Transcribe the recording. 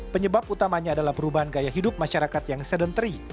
penyebab utamanya adalah perubahan gaya hidup masyarakat yang sedentary